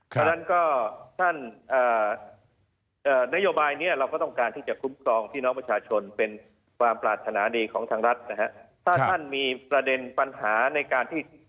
ดังนั้นก็เพื่อนนโยบายเนี่ยเราก็ต้องการที่จะกุ้มกรองที่น้องประชาชนเป็นความปรารถนาดีของทางรัฐนะฮะ